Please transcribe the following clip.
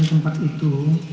di tempat itu